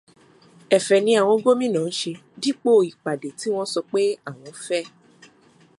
Ẹ̀fẹ̀ ni àwọn gómìnà ń ṣe dípò ìpàdé tí wọ́n sọ pé àwọn fẹ́